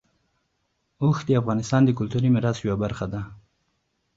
اوښ د افغانستان د کلتوري میراث یوه برخه ده.